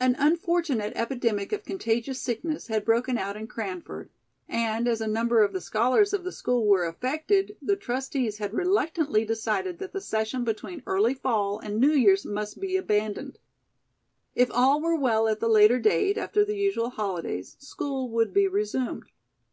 An unfortunate epidemic of contagious sickness had broken out in Cranford, and as a number of the scholars of the school were affected, the trustees had reluctantly decided that the session between early Fall and New Years must be abandoned. If all were well at the later date, after the usual holidays, school would be resumed.